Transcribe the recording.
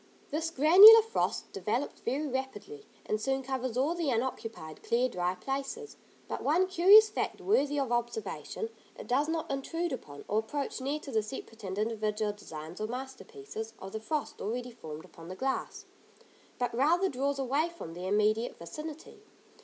This granular frost develops very rapidly, and soon covers all the unoccupied, clear, dry places; but one curious fact worthy of observation: it does not intrude upon, or approach near to the separate and individual designs or masterpieces, of the frost already formed upon the glass, but rather draws away from their immediate vicinity.